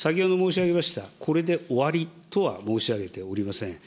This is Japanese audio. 先ほど申し上げましたこれで終わりとは申し上げてはおりません。